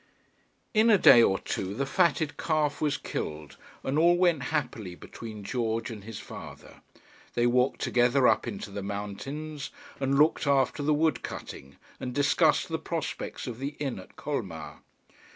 In a day or two the fatted calf was killed, and all went happily between George and his father. They walked together up into the mountains, and looked after the wood cutting, and discussed the prospects of the inn at Colmar.